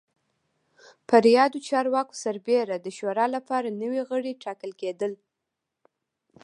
پر یادو چارواکو سربېره د شورا لپاره نوي غړي ټاکل کېدل